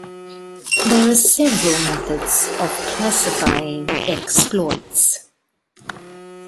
There are several methods of classifying exploits.